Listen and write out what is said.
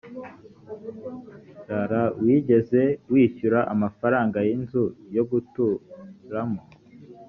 rr wigeze wishyura amafaranga y inzu yo gutramo